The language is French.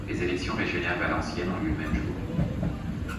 Les élections régionales valenciennes ont lieu le même jour.